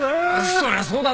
そりゃそうだろ。